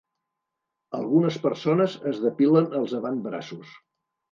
Algunes persones es depilen els avantbraços.